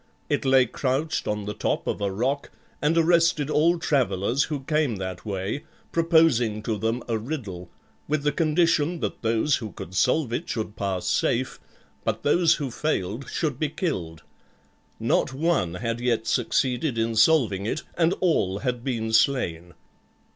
It lay crouched on the top of a rock, and arrested all travellers who came that way proposing to them a riddle, with the condition that those who could solve it should pass safe, but those who failed should be killed. Not one had yet succeeded in solving it, and all had been slain.